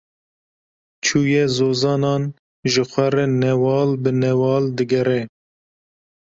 Çûye zozanan, ji xwe re newal bi newal digere.